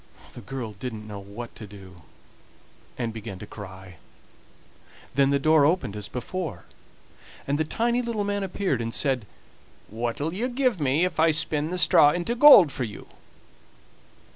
The girl didn't know what to do, and began to cry; then the door opened as before, and the tiny little man appeared and said: "What'll you give me if I spin the straw into gold for you?"